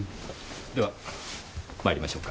では参りましょうか。